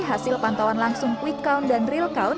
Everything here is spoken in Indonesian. hasil pantauan langsung quick count dan real count